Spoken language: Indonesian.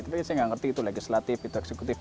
tapi saya nggak ngerti itu legislatif itu eksekutif